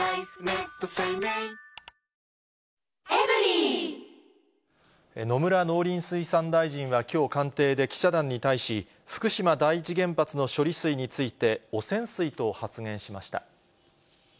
本麒麟野村農林水産大臣はきょう、官邸で記者団に対し、福島第一原発の処理水について、汚染水と発言しました。